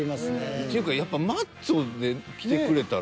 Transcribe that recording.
っていうかやっぱ「マッチョ」できてくれたら。